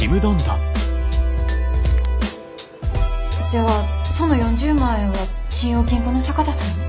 じゃあその４０万円は信用金庫の坂田さんに？